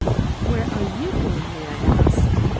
"Where are you going, may I ask?"